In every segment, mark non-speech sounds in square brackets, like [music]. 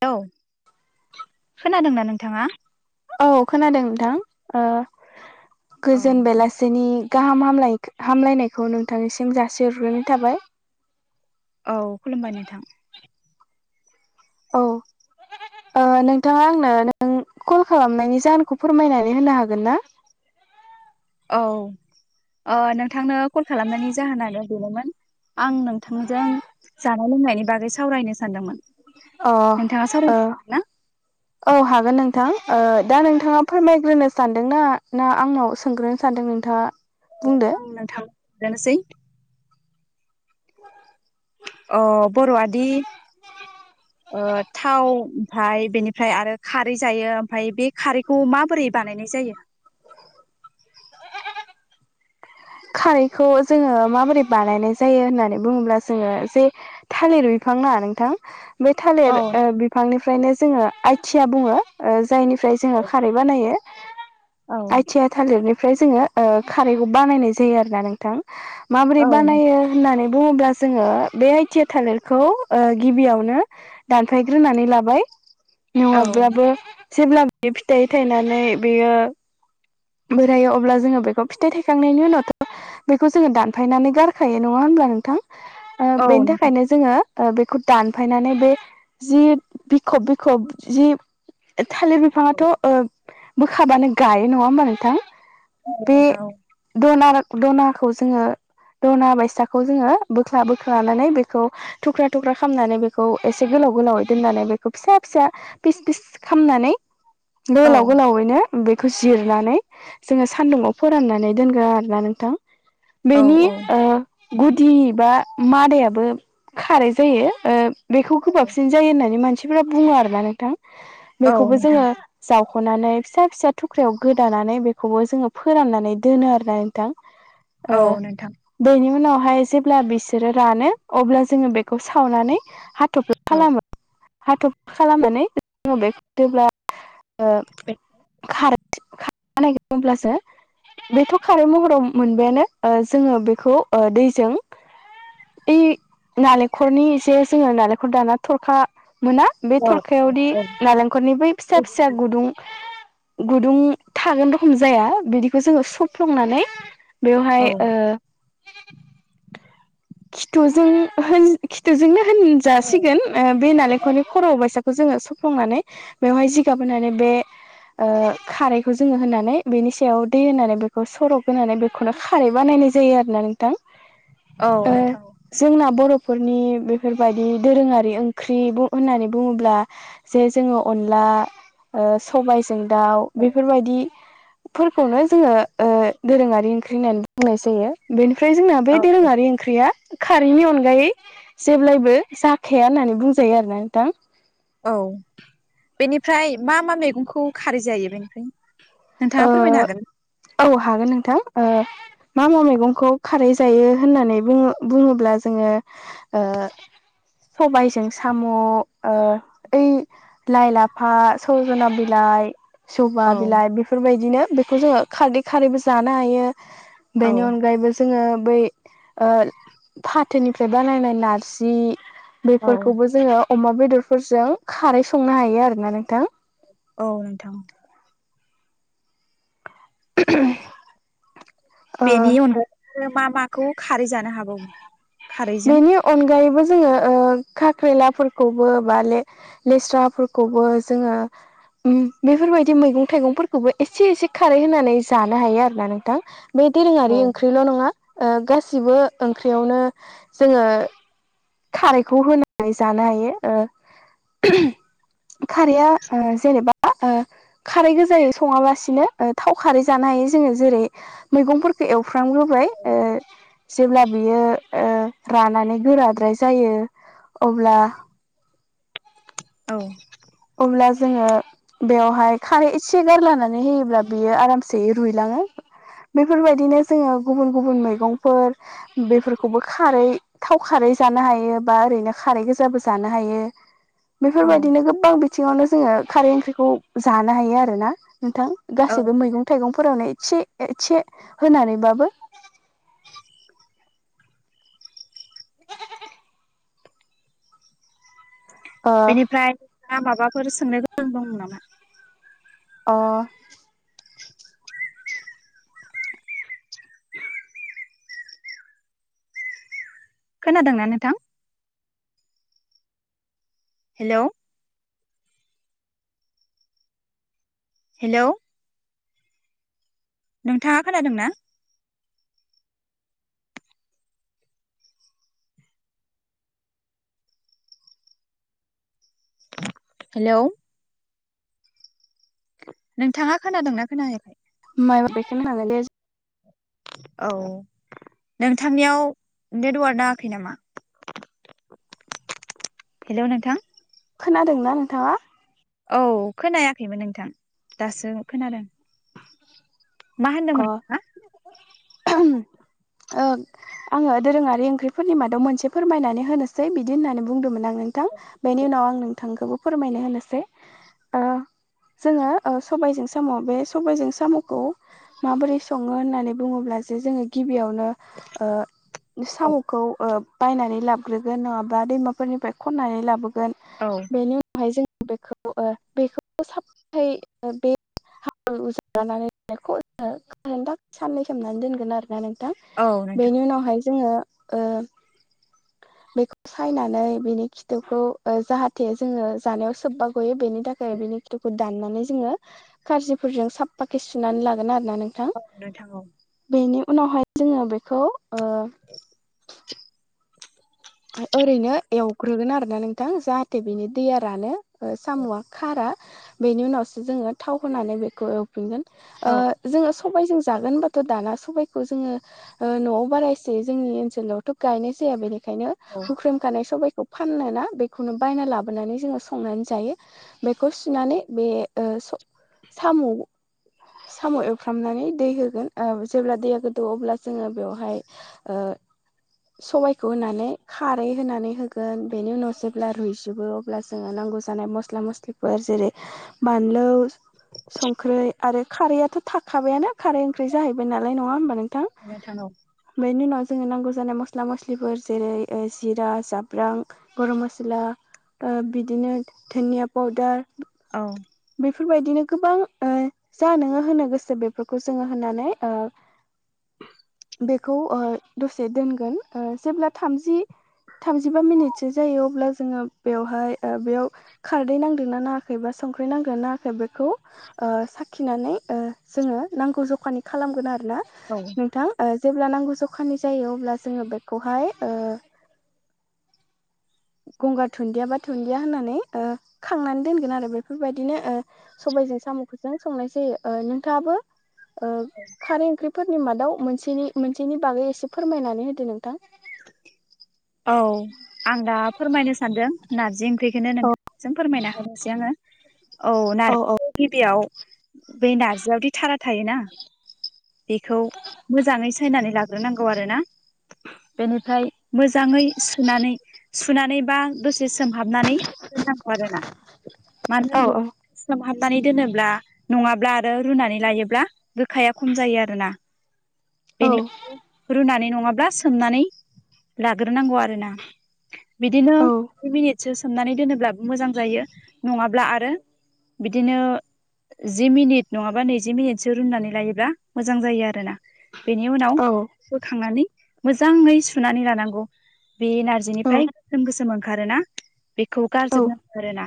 औ खोनादों ना नोंथाङा औ खोनादों नोंथां ओ गोजोन बेलासिनि गाहाम हामलाय हामलायनायखौ नोंथांनिसिम जासिहरग्रोनाय थाबाय औ खुलुमबाया नोंथां औ [inaudible] नोंथाङा आंनो नों कल खालामनायनि जाहोनखौ फोरमायनानै होनो हागोन ना औ नोंथांनो कल खालामनायनि जाहोनानो बेनोमोन आं नोंथांजों जानाय लोंनायनि बागै सावरायनो सानदोंमोन अ नोंथाङा सावरायनो ओ ना औ हागोन नोंथां ओ दा नोंथाङा फोरमायग्रोनो सानदों ना ना आंनाव सोंग्रोन सानदों नोंथाङा बुंदो बुं थांनोसै अ बर'आदि ओ थाव ओमफ्राय बेनिफ्राय आरो खारै जायो ओमफ्राय बे खारैखौ माबोरै बानायनाय जायो खारैखौ जोङो माबोरै बानायनाय जायो होननानै बुङोब्ला जोङो जे थालिर बिफां ना नोंथां बे औ थालिर बिफांनिफ्रायनो जोङो आइथिया बुङो ओ जायनिफ्राय जोङो खारै बानायो औ आइथि थालिरनिफ्राय जोङो ओ खारैखौ बानायनाय जायो आरो ना नोंथां माबोरै औ बानायो होननानै बुङोब्ला जोङो बे आइ टि आ थालिरखौ गिबियावनो दानफायग्रोनानै लाबाय औ नङाब्लाबो जेब्ला फिथाइ थायनानै बेयो बोरायो अब्ला जोङो बेखौ फिथाइ थायखांनायनि उनावथ' बेखौ जोङो दानफायनानै गारखायो नङा होनब्ला नोंथां औ बेनि नोंथां थाखायनो जोङो बेखौ दानफायनानै बे जि बिखब बिखब जि थालिर औ बिफाङाथ' ओ बोखाबानो गायो नङा होमबा नोंथां औ बे थाव दना दनाखौ जोङो दना बायसाखौ जोङो बोख्ला बोखानानै बेखौ थुख्रा थुख्रा खालामामनानै बेखौ एसे गोलाव गोलावै दोननानै बेखौ फिसा फिसा फिसिस खनानै गोलाव गोलावैनो बेखौ जिरनानै जोङो सानदुङाव फोराननानै दोनगोन आरोना नोंथां औ बेनि औ ओ गुदि बा मादायाबो खारै जायो ओ बेखौ गोबाबसिन जायो होननानै मानसिफोरा बुङो आरोना नोंथां औ बेखौबो नोंथां जोङो जावख'नानै फिसा फिसा थुख्रिायाव गोदानानै बेखौबो जोङो फोराननानै दोनो आरोना नोंथां औ ओ नोंथां बेनि उनावहाय जेब्ला बिसोरो रानो अब्ला जोङो बेखौ सावनानै हा हाथफ्ला औ खालामो हाथब्ला खालामनानै ओ बे खारै खारै बानायग होनोमब्लासो बेथ' खारै महराव मोनबायानो जोङो बेखौ दैजों ओइ नालेंखलनि जे जोङो नालेंखर दाना थरखा मोना बे औ थरखायावदि औ नालेंखलनि बै फिसा फिसा गुदुं गुदुं थागोन रखम जाया बिदिखौ जोङो सौफ्लंनानै औ बेवहाय ओ खिथुजों होन जोंनो होनजासिगोन बे नालेंखलनि खर' बायसाखौ जोङो सुफ्लुंनानै बेवहाय जि गाबोनानै बे ओ खारैखौ जोङो होनानै बेनि सायाव दै होनानै बेखौ सरब होनानै बे खौनो खारै बानायनाय जायो आरोना नोंथां औ ओ नोंथां जोंना बर'फोरनि बेफोरबायदि दोरोङारि ओंख्रि होननानै बुङोब्ला जे जोंङो अनला सबायजों दाउ औ बेफोरबायदिफोरखौनो जोङो ओ दोरोङारि ओंख्रि होननानै बुंनाय जायो बेनिफ्राय जोंना बे औ दोरोङारि ओंख्रिया खारैनि अनगायै जेब्लायबो जाखाया होननानै बुंजायो आरोना नोंथां औ बेनिफ्राय मा मा मैगंखौ खारै जायो बेनिफ्राय ओ नोंथाङा फोरमायनो हागोन? औ हागोन नोंथां ओ मा मा मैगंखौ खारै जायो होननानै बुंङो बुङोब्ला जोङो ओ सबायजों साम' ओ ओइ लाइ लाफा सरज'ना बिलाइ जबा औ बिलाइ बेफोरबायदिनो बेखौ जोङो खारदै खारैबो जानो हायो। औ बेनि अनगायैबो जोङो बै ओ फा थोनिफ्राय बानायनाय नारजि औ बेफोरखौबो जोङो अमा बेदरफोरजों खारै संनो हायो आरोना नोंथां। औ नोंथां। [unintelligible] ओ बेनि अनगायैबो मा माखौ खारै जानो हाबावो? खारैजों बेनि अनगायैबो जोङो ओ खाख्रेलाफोरखौबो बा ले लेस्राफोरखौबो जोङो उम बेफोरबायदि मैगं थाइगंफोरखौबो एसे एसे खारै होनानै जानो हायो आरोना नोंथां। बे औ दोरोङारि ओंख्रिल' नङा ओ गासिबो ओंख्रियावनो जोङो खारैखौ होनानै जानो हायो ओ [inaudible] खारैया ओ जेनेबा ओ खारै गोजायै सङालासिनो थाव खारै जानो हायो जोङो जेरै मैगंफोरखौ एवफ्रामग्रोबाय ओ जेब्ला बियो ओ रानानै गोराद्राय जायो अब्ला औ। अब्ला जोङो बेवहाय खारै एसे गारलानानै होयोब्ला बियो आरामसेयै रुइलाङो बेफोरबायदिनो जोङो गुबुन गुबुन मैगंफोर बेफोरखौबो खारै थाव खारै जानो हायो बा ओरैनो खारै गोजाबो जानो हायो। औ बेफोरबायदिनो गोबां बिथिङावनो जोङो खारै ओंख्रिखौ जानो हायो आरोना नोंथां। औ गासैबो मैगं थाइगंफोरावनो एसे एसे होनानैबाबो ओ बेनिफ्राय नोंथाङा माबाफोर सोंनो गोनां दं नामा? अ। [inaudible] खोनादोंना नोंथां? हेल'। हेल'। नोंथाङा खोनादों ना? हेल'। नोंथाङा खोनादोंना खोनायाखै? [unintelligible] औ नोंथांनियाव नेटवार्क नाङाखै नामा? हेल' नोंथां। खोनादोंना नोंथाङा? औ खोनायाखैमोन नोंथां दासो खोनादों। मा अ होनदोंमोन नोंथाङा? [unintelligible] ओ आंङो दोरोङारि ओंख्रिफोरनि मादाव मोनसे फोरमायनानै होनोसै बिदि होननानै बुंदोंमोन आं। नोंथां बेनि उनाव आं नोंथांखौबो फोरमायनो होनोसै ओ जोङो ओ सबायजों साम' बे सबायजों साम'खौ माबोरै सङो होननानै बुंङोब्ला जे जोङो गिबियाव नो ओ औ साम'खौ ओ बायनानै लाबोग्रोगोन नङाब्ला दैमाफोरनिफ्राय खननानै लाबोगोन औ बेनि उनावहाय जों बेखौ-बेखौ साफायै बे [unintelligible] कारेन्टा साननै सोमनानै दोनगोन आरोना नोंथां नोंथां औ बेनि उनावहाय जोङो ओ बेखौ सायनानै बिनि खिथोबखौ जाहाथे जोङो जानायाव सोबबा बेनि थाखाय बिनि खिथुखौ दाननानै जोङो खासिफोरजों साफाखि सुनानै आरोना नोंथां। औ नोथां औ बेनि उनावहाय जोङो बेखौ ओरैनो एवग्रोगोन आरोना नोंथां जाहाथे बिनि दैया रानो। साम'आ खारा बेनि उनावसो जोङो थाव होनानै बेखौ एवफिनगोन ओ जोङो सबायजों जागोनबाथ' दाना सबायखौ जोङो ओ न'आव बारा एसे जोंनि ओनसोलावथ' गायनाय जाया बेनिखायनो हुख्रेमखानाय सबाय बेखौ फानोना बेखौनो बायना लाबोनानै जोङो संनानै जायो। बेखौ सुनानै बे ओ साम' साम' एवफ्रामनानै दै होगोन जेब्ला दैया गोदौ अब्ला जोङो बेवहाय ओ सबायखौ होनानै खारै होनानै होगोन बेनि उनाव जेब्ला रुइजोबो अब्ला जोङो नांगौ जानाय मस्ला मस्लिखौ फोर जेरै -बानलु, संख्रै आरो खारैआथ' थाखाबायाना खारै ओंख्रि जाहैबाय नालाय नङा होमबा नोंथां। [unintelligible] बेनि उनाव जोंङो नांगौ जानाय मस्ला मस्लिफोर जेरै, जिरा, जाब्रां, गरम मस्ला, ओ बिदिनो धनिया पाउदार औ बेफोरबायदिनो गोबां ओ जा नोङो होनो गोसो बेफोरखौ जोङो होननानै ओ बेखौ दसे दोनगोन जेब्ला थामजि थामजिबा मिनिटसो जायो अब्ला जोङो बेवहाय बेयाव खारदै नांदोंना नाङाखै बा संख्रि नांदों नाङाखै बेखौ साखिनानै जोङो नांगौ जखानि खालामगोन आरोना नोंथां जेब्ला नांगौ जखानि जायो अब्ला जोङो बेखौहाय ओ गंगार दुनन्दिया बा दुुनन्दिया होननानै ओ खांनानै दोनगोन आरो बे बेफोरबायदिनो ओ सबायजों साम'खौ संनाय जायो। नोंथाङाबो ओ खारै ओंख्रिफोरनि मादाव मोनसेनि मोनसेनि बागै एसे फोरमायनानै होदो नोंथां। औ आं दा फोरमायनो सानदों नारजि ओंख्रिखौनो औ नोंथांजों फोरमायना होनोसै आङो औ नारजिखौ गिबियाव बै नार्जियावदि थारा थायोना बेखौ मोजाङै सायनानै लाग्रोनांगौ आरोना बेनिफ्राय मोजाङै सुनानै-सुनानै बा दसे सोमहाबनानै दोननांगौ आरोना। मान [unintelligible] औ -औ सोमहाबनानै दोनोब्ला नङाब्ला आरो रुनानै लायोब्ला गोखाया खम जायो आरो ना। औ बेनि रुनानै नङाब्ला सोमनानै लाग्रो नांगौ आरो ना। बिदिनो नै मिनिटसो सोमनानै दोनोब्लाबो मोजां जायो नङाब्ला आरो बिदिनो जि मिनिट नङाबा नैजि मिनिटसो रुनानै लायोब्ला मोजां जायो आरोना। बेनि उनाव औ बोखांनानै मोजाङै सुनानै लानांगौ बे नारजि निफ्राय गोसोम गोसोम ओंखारोना बेखौ औ गारजोबनांगो आरोना।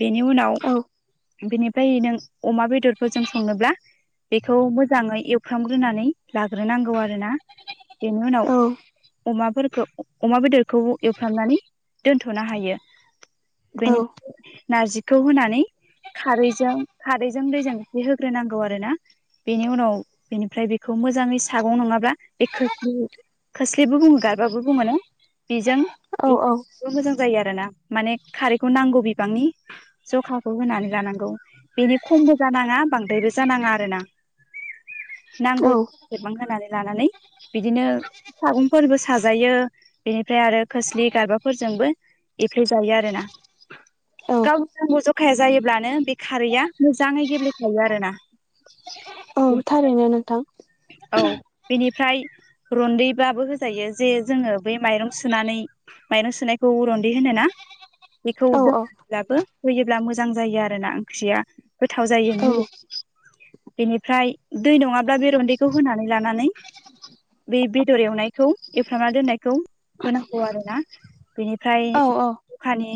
बेनि उनाव औ बेनिफ्राय नों अमा बेदरफोरजों संनोब्ला बेखौ मोजाङै एवफ्रामग्रोनानै लाग्रोनांगौ आरो ना। बेनि औ उनाव अमाफोरखौ अमा बेदरखौ एवफ्रामनानै दोनथ'नो हायो। औ बेनि नारजिखौ होनानै खारैजों खारैजों दैजों एसे होग्रोनांगौ आरो ना। बेनि उनाव बेनिफ्राय बेखौ मोजाङै सागं नङाब्ला बे खोस्लि खोस्लिबो बुङो गारबाबो बुङो ना बिजों औ -औ मोजां जायो आरो ना माने खारैखौ नांगौ बिबांनि जखाखौ होनानै लानांगौ बेनि खमबो जानाङा बांद्रायबो जानाङा आरो ना। औ नांगौ सेबां होनानै लानानै बिदिनो सागंफोरबो सा जायो बेनिफ्राय आरो खोस्लि गारबाफोरजोंबो एफ्लेजायो आरोना। औ गाव नांगौ जखाया जायोब्लानो बे खारैया मोजाङै गेब्लेखायो आरो ना। औ थारैनो नोंथां। औ बेनिफ्राय रुन्दैबाबो होजायो जे जोङो बै माइरं सुनानै माइरं सुनायखौ रन्दै होनो ना? बेखौ औ औ दोनब्लाबो होयोब्ला मोजां जायो आरोना ओंख्रिया। गोथाव जायो औ मुलि बेनिफ्राय दै नङाब्ला बे रन्दै खौ होनानै लानानै बे बेदर एवनायखौ एवफ्रामना दोननायखौ होनांगौ आरो ना। बेनिफ्राय औ औ जखानि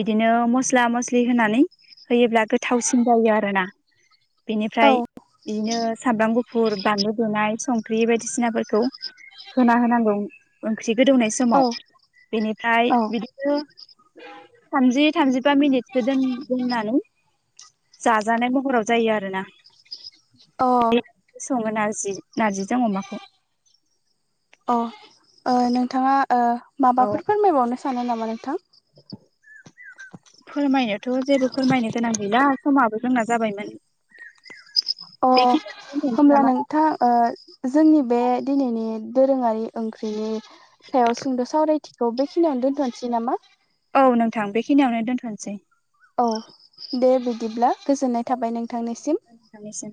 बिदिनो मस्ला मस्लि होनानै होयोब्ला गोथावसिन जायो आरोना। औ बिनिफ्राय बिदिनो सामब्राम गुफुर बानलु दुनाय संख्रि बायदिसिनाफोरखौ होना होनांगौ ओंख्रि गोदौनाय समाव बेनिफ्राय औ अ बिदिनो थामजि थामजिबा मिनिटसो दोन दोननानै जाजानाय महराव जायो आरो ना। अ सङो नारजि नारजिजों अमाखौ। अ ओ नोंथाङा ओ औ माबाफोर फोरमायबावनो सानो नामा नोंथां? [unintelligible] फोरमायनोथ' जेबो फोरमायनो गोनां गैला समाबो जोंना जाबायमोन। अ बेखिनियावनो दोनथ'नोसै होमला नामा नों थां ओ जोंनि बे दिनैनि दोरोङारि ओंख्रिनि सायाव सुंद' सावरायथिखौ बेखिनियावनो दोन्थ'नोसै नामा औ नोंथां बेखिनियावनो दोनथ'नोसै। औ दे बिदिब्ला गोजोननाय थाबाय नोंथांनिसिम। नोंथांनिसिम।